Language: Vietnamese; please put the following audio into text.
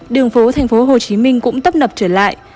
đường phố tp hcm cũng tấp nập trở lại